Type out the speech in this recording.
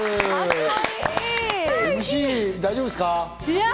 ＭＣ、大丈夫ですか？